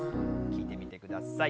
聴いてみてください。